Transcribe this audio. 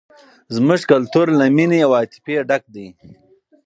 زموږ کلتور له مینې او عاطفې ډک دی.